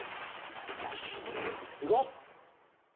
いこう！